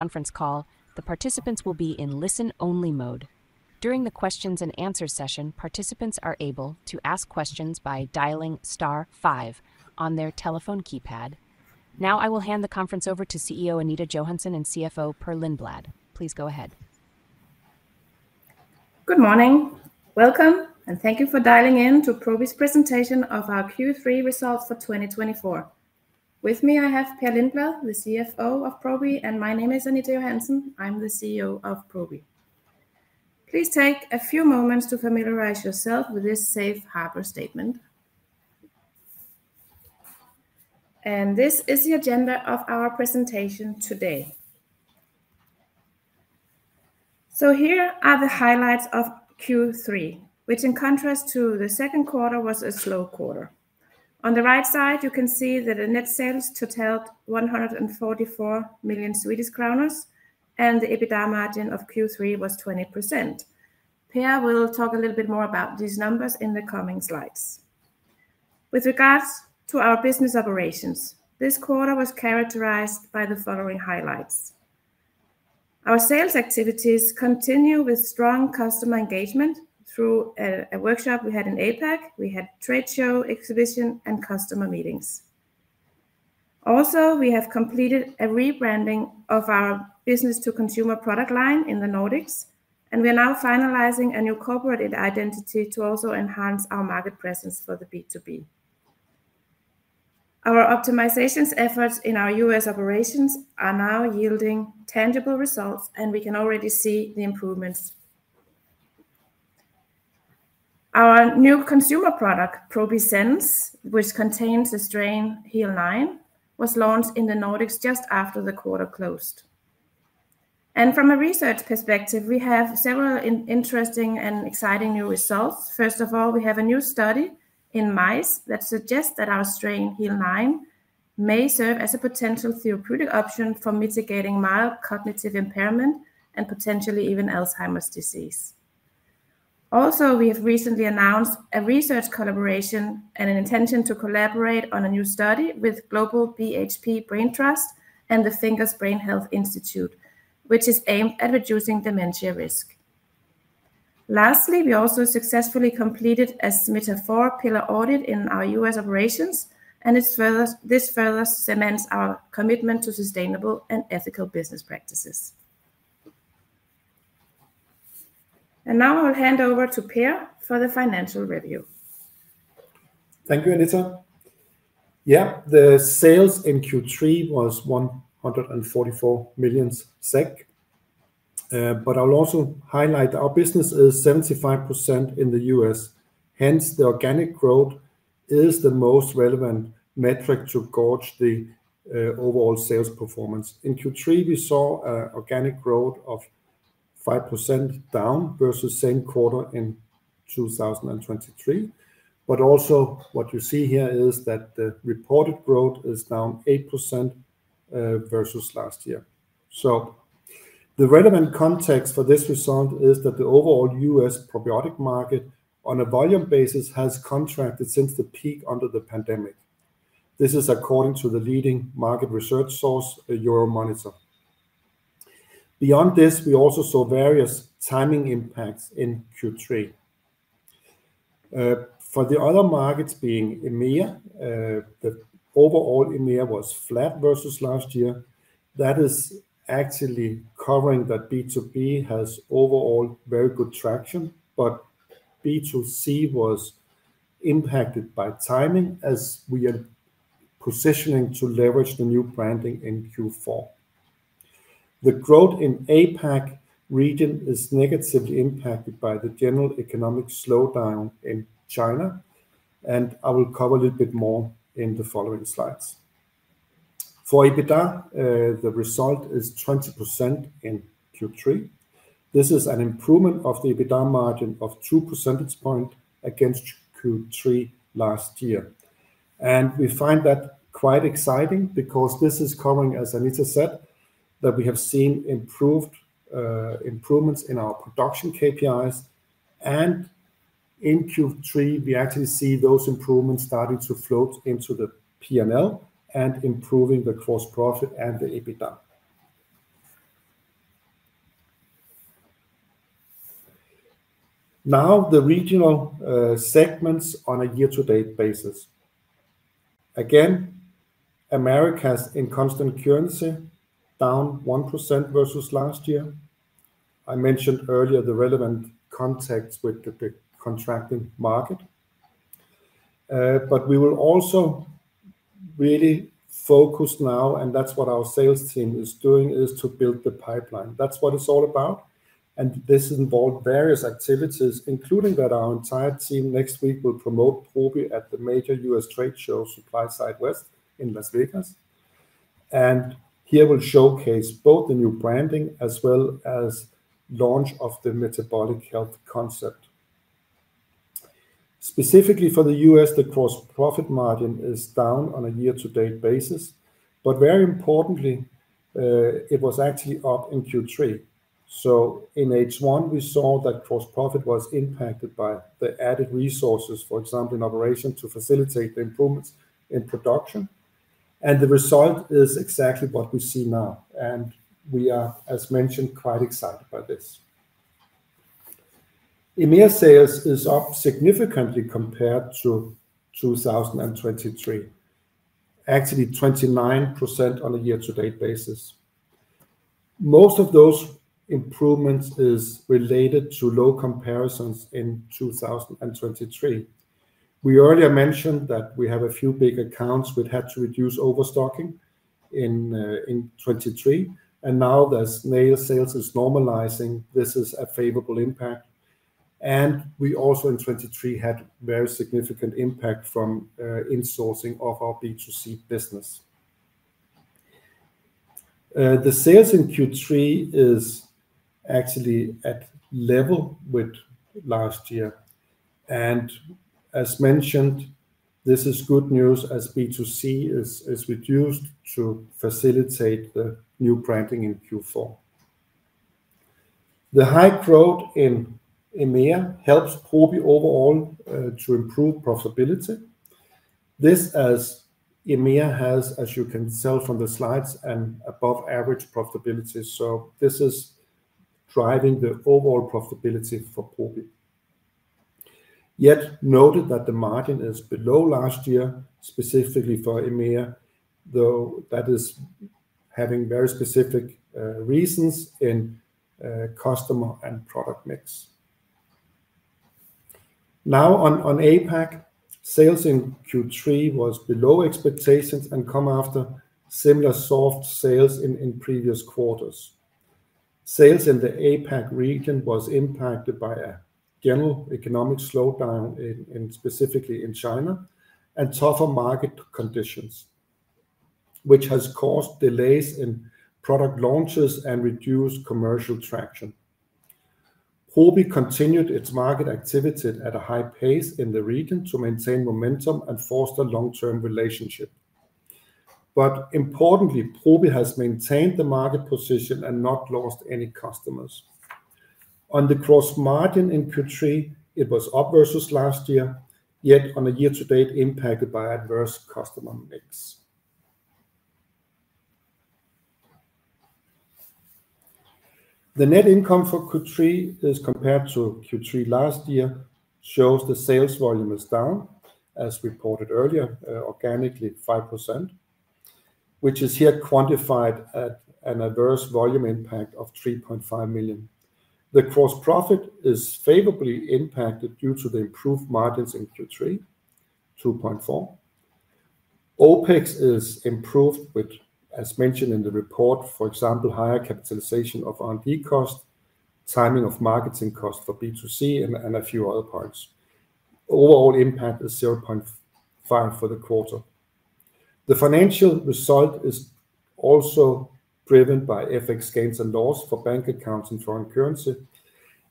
Conference call, the participants will be in listen-only mode. During the Q&A session, participants are able to ask questions by dialing star five on their telephone keypad. Now, I will hand the conference over to CEO Anita Johansen and CFO Per Lindblad. Please go ahead. Good morning, welcome, and thank you for dialing in to Probi's presentation of our Q3 results for 2024. With me I have Per Lindblad, the CFO of Probi, and my name is Anita Johansen, I'm the CEO of Probi. Please take a few moments to familiarize yourself with this Safe Harbor statement and this is the agenda of our presentation today, so here are the highlights of Q3, which in contrast to the second quarter was a slow quarter. On the right side you can see that the net sales totaled 144 million Swedish kronor, and the EBITDA margin of Q3 was 20%. Per will talk a little bit more about these numbers in the coming slides. With regards to our business operations, this quarter was characterized by the following highlights. Our sales activities continue with strong customer engagement through a workshop we had in APAC, we had a trade show exhibition, and customer meetings. Also, we have completed a rebranding of our business-to-consumer product line in the Nordics, and we are now finalizing a new corporate identity to also enhance our market presence for the B2B. Our optimization efforts in our U.S. operations are now yielding tangible results, and we can already see the improvements. Our new consumer product, ProbiSense, which contains the strain HEAL9, was launched in the Nordics just after the quarter closed, and from a research perspective, we have several interesting and exciting new results. First of all, we have a new study in mice that suggests that our strain HEAL9 may serve as a potential therapeutic option for mitigating mild cognitive impairment and potentially even Alzheimer's disease. Also, we have recently announced a research collaboration and an intention to collaborate on a new study with Global BHP Brain Trust and the FINGERS Brain Health Institute, which is aimed at reducing dementia risk. Lastly, we also successfully completed a SMETA 4 pillar audit in our U.S. operations, and this further cements our commitment to sustainable and ethical business practices. And now I'll hand over to Per for the financial review. Thank you, Anita. Yeah, the sales in Q3 was 144 million SEK, but I'll also highlight our business is 75% in the U.S., hence the organic growth is the most relevant metric to gauge the overall sales performance. In Q3, we saw an organic growth of 5% down versus the same quarter in 2023, but also what you see here is that the reported growth is down 8% versus last year. So the relevant context for this result is that the overall U.S. probiotic market on a volume basis has contracted since the peak under the pandemic. This is according to the leading market research source, Euromonitor. Beyond this, we also saw various timing impacts in Q3. For the other markets being EMEA, the overall EMEA was flat versus last year. That is actually covering that B2B has overall very good traction, but B2C was impacted by timing as we are positioning to leverage the new branding in Q4. The growth in the APAC region is negatively impacted by the general economic slowdown in China, and I will cover a little bit more in the following slides. For EBITDA, the result is 20% in Q3. This is an improvement of the EBITDA margin of 2 percentage points against Q3 last year, and we find that quite exciting because this is covering, as Anita said, that we have seen improvements in our production KPIs, and in Q3 we actually see those improvements starting to float into the P&L and improving the gross profit and the EBITDA. Now the regional segments on a year-to-date basis. Again, Americas in constant currency down 1% versus last year. I mentioned earlier the relevant context with the contracting market, but we will also really focus now, and that's what our sales team is doing, is to build the pipeline. That's what it's all about, and this involves various activities, including that our entire team next week will promote Probi at the major U.S. trade show, SupplySide West in Las Vegas, and here we'll showcase both the new branding as well as the launch of the metabolic health concept. Specifically for the U.S., the gross profit margin is down on a year-to-date basis, but very importantly, it was actually up in Q3, so in H1, we saw that gross profit was impacted by the added resources, for example, in operations to facilitate the improvements in production, and the result is exactly what we see now, and we are, as mentioned, quite excited by this. EMEA sales is up significantly compared to 2023, actually 29% on a year-to-date basis. Most of those improvements are related to low comparisons in 2023. We earlier mentioned that we have a few big accounts that had to reduce overstocking in 2023, and now the annual sales are normalizing. This is a favorable impact, and we also in 2023 had a very significant impact from insourcing of our B2C business. The sales in Q3 are actually at level with last year, and as mentioned, this is good news as B2C is reduced to facilitate the new branding in Q4. The high growth in EMEA helps Probi overall to improve profitability. This as EMEA has, as you can tell from the slides, an above-average profitability, so this is driving the overall profitability for Probi. Yet note that the margin is below last year, specifically for EMEA, though that is having very specific reasons in customer and product mix. Now on APAC, sales in Q3 were below expectations and come after similar soft sales in previous quarters. Sales in the APAC region were impacted by a general economic slowdown, specifically in China, and tougher market conditions, which has caused delays in product launches and reduced commercial traction. Probi continued its market activity at a high pace in the region to maintain momentum and foster long-term relationships. But importantly, Probi has maintained the market position and not lost any customers. On the gross margin in Q3, it was up versus last year, yet on a year-to-date impacted by adverse customer mix. The net income for Q3, compared to Q3 last year, shows the sales volume is down, as reported earlier, organically 5%, which is here quantified at an adverse volume impact of 3.5 million. The gross profit is favorably impacted due to the improved margins in Q3, 2.4. OpEx is improved with, as mentioned in the report, for example, higher capitalization of R&D cost, timing of marketing cost for B2C, and a few other parts. Overall impact is 0.5 million for the quarter. The financial result is also driven by FX gains and losses for bank accounts in foreign currency,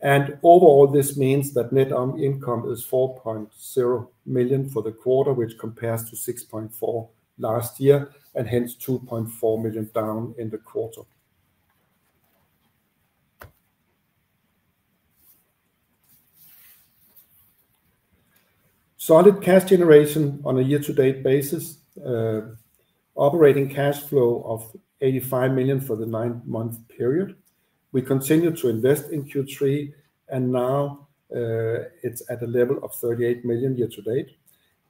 and overall this means that net income is 4.0 million for the quarter, which compares to 6.4 million last year, and hence 2.4 million down in the quarter. Solid cash generation on a year-to-date basis, operating cash flow of 85 million for the nine-month period. We continue to invest in Q3, and now it's at a level of 38 million year-to-date.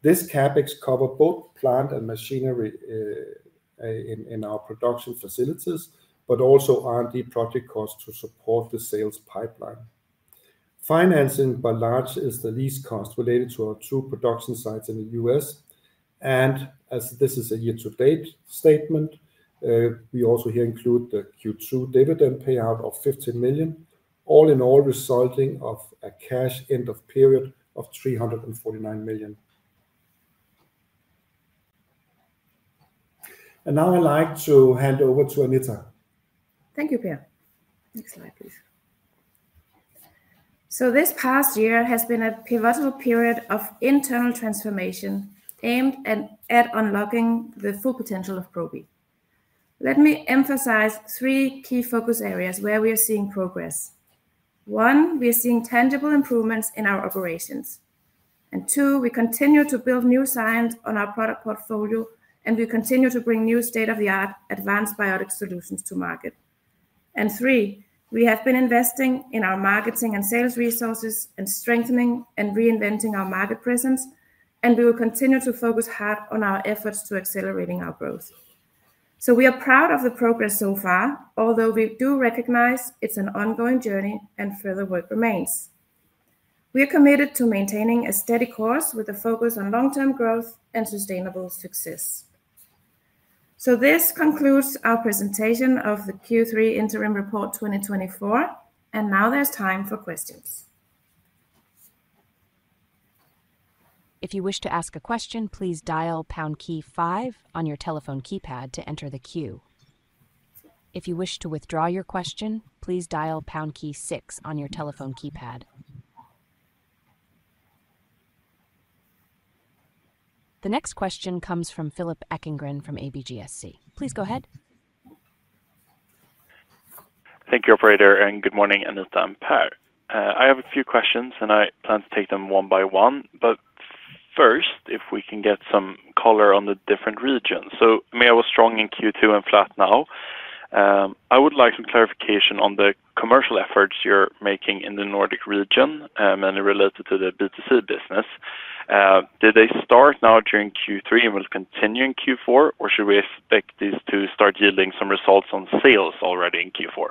This CapEx covers both plant and machinery in our production facilities, but also R&D project costs to support the sales pipeline. Financing by and large is the largest cost related to our two production sites in the U.S., and as this is a year-to-date statement, we also here include the Q2 dividend payout of 15 million, all in all resulting in a cash end-of-period of 349 million. Now I'd like to hand over to Anita. Thank you, Per. Next slide, please. So this past year has been a pivotal period of internal transformation aimed at unlocking the full potential of Probi. Let me emphasize three key focus areas where we are seeing progress. One, we are seeing tangible improvements in our operations. And two, we continue to build new science on our product portfolio, and we continue to bring new state-of-the-art advanced probiotic solutions to market. And three, we have been investing in our marketing and sales resources and strengthening and reinventing our market presence, and we will continue to focus hard on our efforts to accelerate our growth. So we are proud of the progress so far, although we do recognize it's an ongoing journey and further work remains. We are committed to maintaining a steady course with a focus on long-term growth and sustainable success. So this concludes our presentation of the Q3 Interim Report 2024, and now there's time for questions. If you wish to ask a question, please dial pound key five on your telephone keypad to enter the queue. If you wish to withdraw your question, please dial pound key six on your telephone keypad. The next question comes from Philip Ekengren from ABGSC. Please go ahead. Thank you, Operator, and good morning, Anita. Per, I have a few questions, and I plan to take them one by one, but first, if we can get some color on the different regions. So EMEA was strong in Q2 and flat now. I would like some clarification on the commercial efforts you're making in the Nordic region, mainly related to the B2C business. Did they start now during Q3 and will continue in Q4, or should we expect these to start yielding some results on sales already in Q4?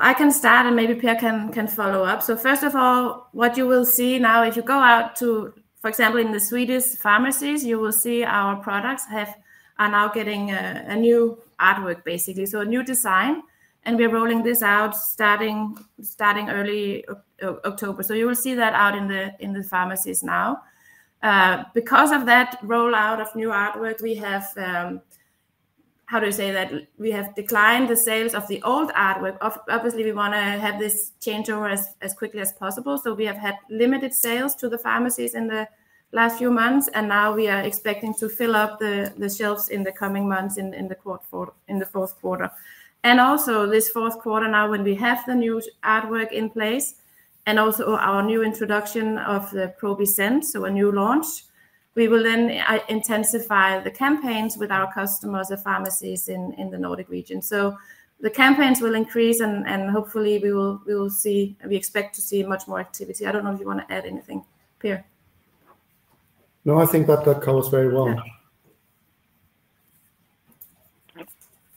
I can start, and maybe Per can follow up. First of all, what you will see now if you go out to, for example, in the Swedish pharmacies, you will see our products are now getting a new artwork, basically, so a new design, and we're rolling this out starting early October. You will see that out in the pharmacies now. Because of that rollout of new artwork, we have, how do I say that? We have declined the sales of the old artwork. Obviously, we want to have this changeover as quickly as possible, so we have had limited sales to the pharmacies in the last few months, and now we are expecting to fill up the shelves in the coming months in the fourth quarter. And also this fourth quarter now, when we have the new artwork in place and also our new introduction of the Probi Sense, so a new launch, we will then intensify the campaigns with our customers, the pharmacies in the Nordic region. So the campaigns will increase, and hopefully we will see, we expect to see much more activity. I don't know if you want to add anything, Per. No, I think that covers very well.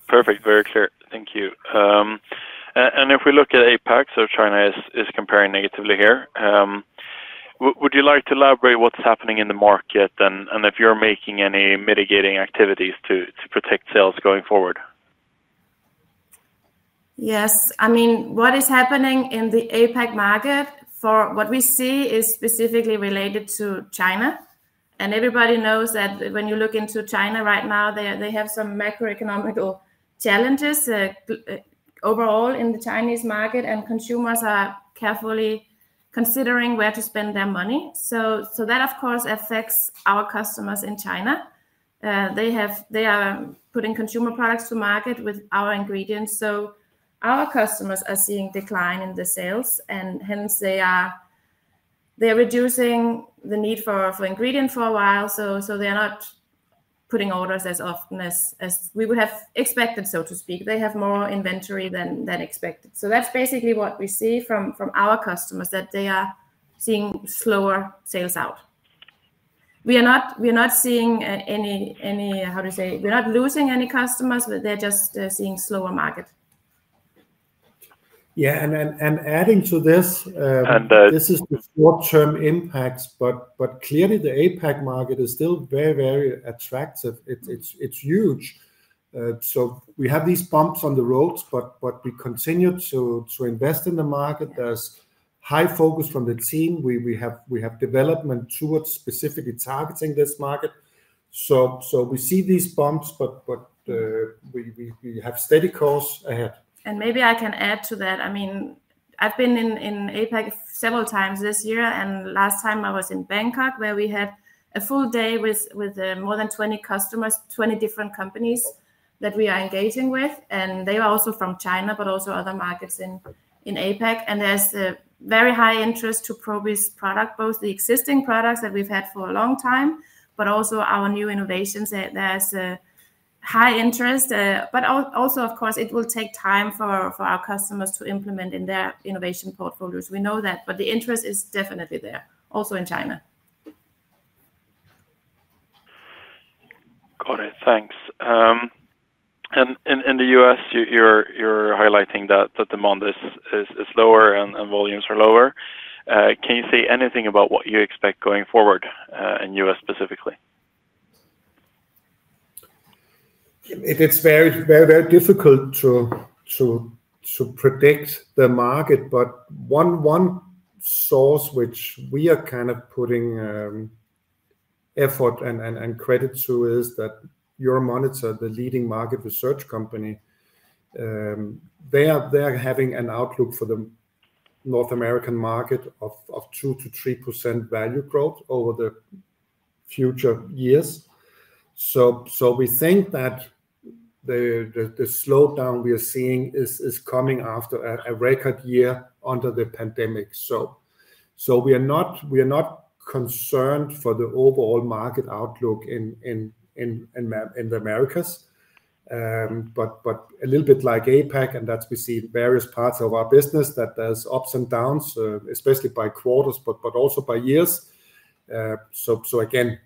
Perfect, very clear. Thank you. And if we look at APAC, so China is comparing negatively here, would you like to elaborate what's happening in the market and if you're making any mitigating activities to protect sales going forward? Yes. I mean, what is happening in the APAC market, what we see is specifically related to China, and everybody knows that when you look into China right now, they have some macroeconomic challenges overall in the Chinese market, and consumers are carefully considering where to spend their money. So that, of course, affects our customers in China. They are putting consumer products to market with our ingredients, so our customers are seeing a decline in the sales, and hence they are reducing the need for ingredients for a while, so they're not putting orders as often as we would have expected, so to speak. They have more inventory than expected. So that's basically what we see from our customers, that they are seeing slower sales out. We are not seeing any, how do you say? We're not losing any customers, but they're just seeing a slower market. Yeah, and adding to this, this is the short-term impacts, but clearly the APAC market is still very, very attractive. It's huge. So we have these bumps on the roads, but we continue to invest in the market. There's high focus from the team. We have development tools specifically targeting this market. So we see these bumps, but we have steady course ahead. Maybe I can add to that. I mean, I've been in APAC several times this year, and last time I was in Bangkok, where we had a full day with more than 20 customers, 20 different companies that we are engaging with, and they are also from China, but also other markets in APAC, and there's a very high interest to Probi's product, both the existing products that we've had for a long time, but also our new innovations. There's a high interest, but also, of course, it will take time for our customers to implement in their innovation portfolios. We know that, but the interest is definitely there, also in China. Got it, thanks. And in the U.S., you're highlighting that the demand is lower and volumes are lower. Can you say anything about what you expect going forward in the U.S. specifically? It's very, very difficult to predict the market, but one source which we are kind of putting effort and credit to is Euromonitor, the leading market research company. They are having an outlook for the North American market of 2%-3% value growth over the future years. So we think that the slowdown we are seeing is coming after a record year under the pandemic. So we are not concerned for the overall market outlook in the Americas, but a little bit like APAC, and that's what we see in various parts of our business that there's ups and downs, especially by quarters, but also by years. So again,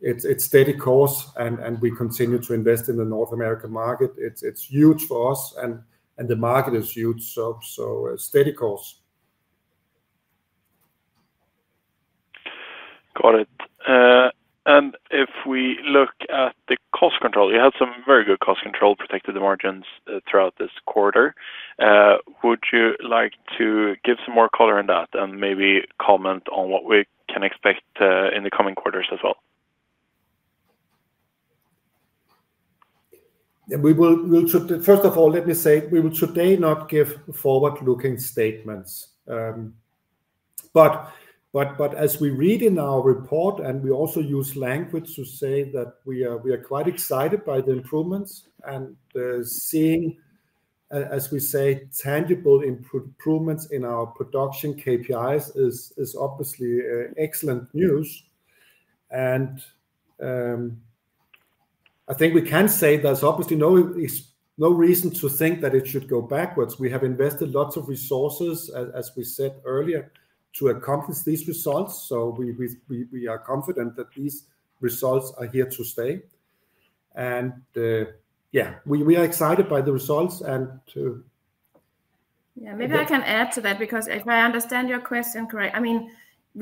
it's steady course, and we continue to invest in the North American market. It's huge for us, and the market is huge, so steady course. Got it. And if we look at the cost control, you had some very good cost control protected the margins throughout this quarter. Would you like to give some more color in that and maybe comment on what we can expect in the coming quarters as well? First of all, let me say we will today not give forward-looking statements, but as we read in our report, and we also use language to say that we are quite excited by the improvements, and seeing, as we say, tangible improvements in our production KPIs is obviously excellent news, and I think we can say there's obviously no reason to think that it should go backwards. We have invested lots of resources, as we said earlier, to accomplish these results, so we are confident that these results are here to stay, and yeah, we are excited by the results. Yeah, maybe I can add to that because if I understand your question correctly, I mean,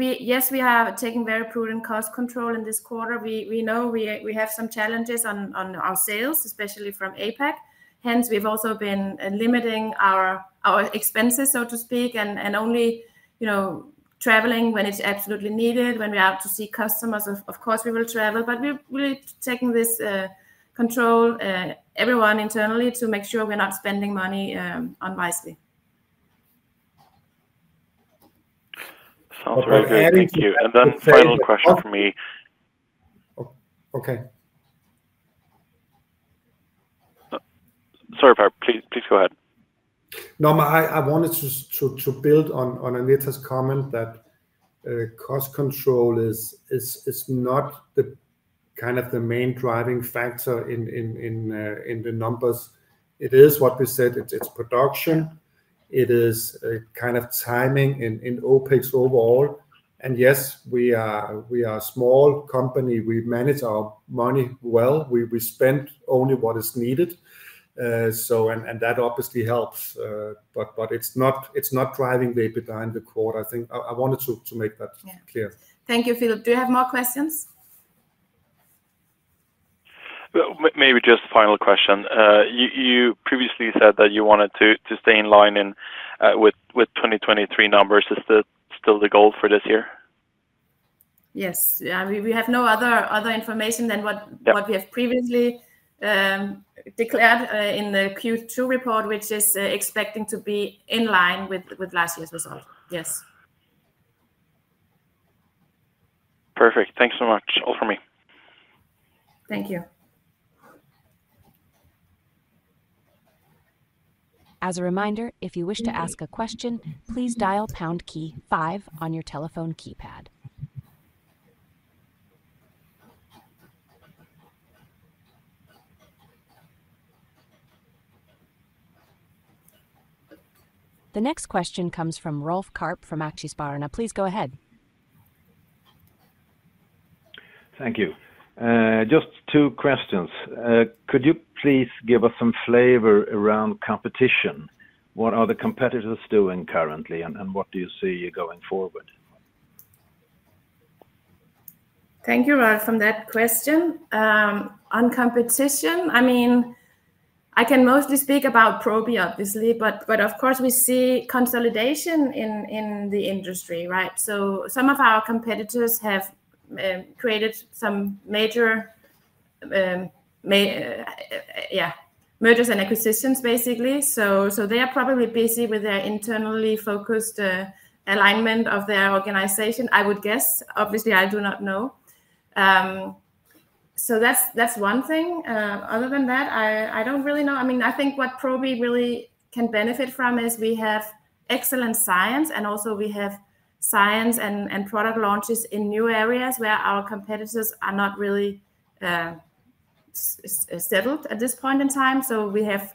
yes, we are taking very prudent cost control in this quarter. We know we have some challenges on our sales, especially from APAC. Hence, we've also been limiting our expenses, so to speak, and only traveling when it's absolutely needed. When we are out to see customers, of course we will travel, but we're taking this control, everyone internally, to make sure we're not spending money unwisely. Sounds very good. Thank you, and then final question for me. Okay. Sorry, Per, please go ahead. No, I wanted to build on Anita's comment that cost control is not kind of the main driving factor in the numbers. It is, what we said, it's production. It is kind of timing in OpEx overall. And yes, we are a small company. We manage our money well. We spend only what is needed, and that obviously helps, but it's not driving the EBITDA in the quarter. I think I wanted to make that clear. Thank you, Philip. Do you have more questions? Maybe just a final question. You previously said that you wanted to stay in line with 2023 numbers. Is that still the goal for this year? Yes. We have no other information than what we have previously declared in the Q2 report, which is expecting to be in line with last year's result. Yes. Perfect. Thanks so much. All from me. Thank you. As a reminder, if you wish to ask a question, please dial pound key five on your telephone keypad. The next question comes from Rolf Karp from Aktiespararna. Please go ahead. Thank you. Just two questions. Could you please give us some flavor around competition? What are the competitors doing currently, and what do you see going forward? Thank you, Rolf, for that question. On competition, I mean, I can mostly speak about Probi, obviously, but of course we see consolidation in the industry, right? So some of our competitors have created some major mergers and acquisitions, basically. So they are probably busy with their internally focused alignment of their organization, I would guess. Obviously, I do not know. So that's one thing. Other than that, I don't really know. I mean, I think what Probi really can benefit from is we have excellent science, and also we have science and product launches in new areas where our competitors are not really settled at this point in time. So we have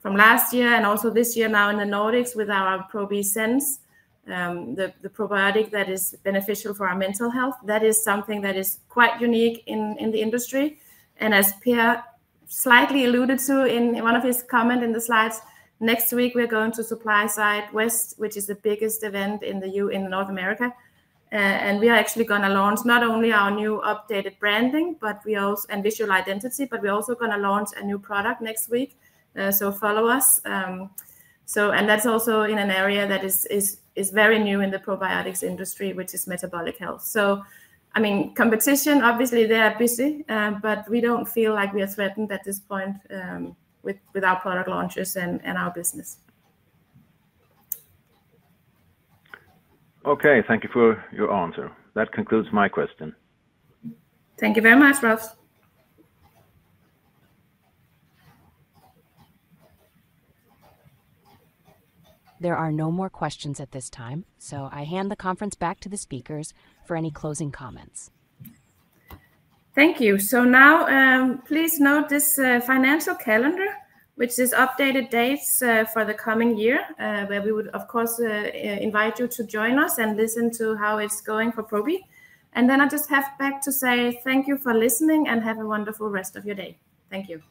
from last year and also this year now in the Nordics with our Probi Sense, the probiotic that is beneficial for our mental health. That is something that is quite unique in the industry. As Per slightly alluded to in one of his comments in the slides, next week we're going to SupplySide West, which is the biggest event in North America. We are actually going to launch not only our new updated branding and visual identity, but we're also going to launch a new product next week. Follow us. That's also in an area that is very new in the probiotics industry, which is metabolic health. I mean, competition, obviously they are busy, but we don't feel like we are threatened at this point with our product launches and our business. Okay, thank you for your answer. That concludes my question. Thank you very much, Rolf. There are no more questions at this time, so I hand the conference back to the speakers for any closing comments. Thank you, so now please note this financial calendar, which is updated dates for the coming year, where we would, of course, invite you to join us and listen to how it's going for Probi, and then I just have to say thank you for listening and have a wonderful rest of your day. Thank you.